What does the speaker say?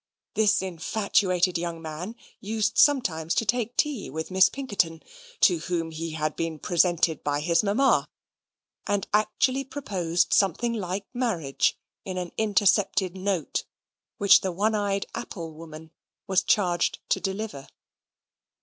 This infatuated young man used sometimes to take tea with Miss Pinkerton, to whom he had been presented by his mamma, and actually proposed something like marriage in an intercepted note, which the one eyed apple woman was charged to deliver.